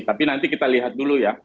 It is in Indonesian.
tapi nanti kita lihat dulu ya